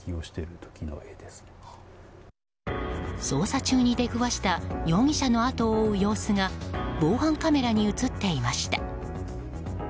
捜査中に出くわした容疑者のあとを追う様子が防犯カメラに映っていました。